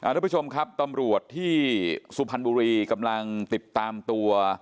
ทุกผู้ชมครับตำรวจที่สุพรรณบุรีกำลังติดตามตัว